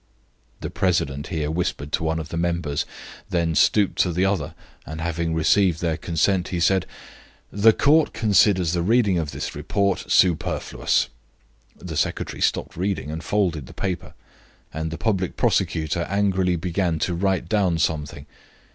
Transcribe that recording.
The president here whispered to one of the members, then stooped to the other, and having received their consent, he said: "The Court considers the reading of this report superfluous." The secretary stopped reading and folded the paper, and the public prosecutor angrily began to write down something.